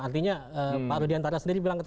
artinya pak rudiantara sendiri bilang